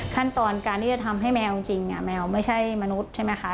ขั้นตอนการที่จะทำให้แมวจริงเนี่ยแมวไม่ใช่มนุษย์ใช่ไหมคะ